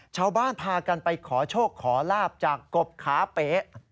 ชาวบ้านพากันไปขอโชคขอลาบจากกบขาเป๊ะ